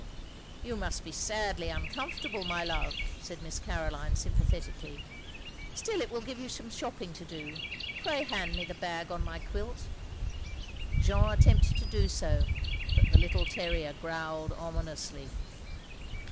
"You must be sadly uncomfortable, my love,'' said Miss Caroline, sympathetically. "Still it will give you some shopping to do. Pray hand me the bag on my quilt." Jeanne attempted to do so, but the little terrier growled ominously.